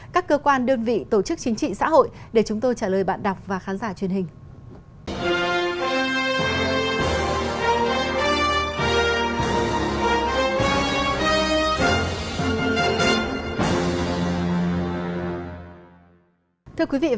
các cơ quan đơn vị tổ chức chính trị xã hội để chúng tôi trả lời bạn đọc và khán giả truyền hình